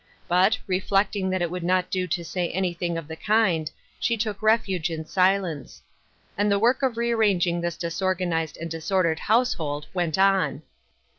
Bat, reflecting ■jhat it would not do to say anything of the Kind, she took refuge in silence. And the work of rearranging this disorganized and disordered household went on.